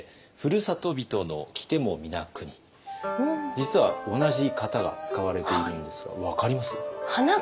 実は同じ型が使われているんですが分かります？